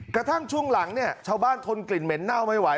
กระทั่งช่วงหลังเนี่ยชาวบ้านทนกลิ่นเหม็นเน่าไม่ไหว